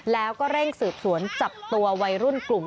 แล้วก็เร่งสืบสวนจับตัววัยรุ่นกลุ่ม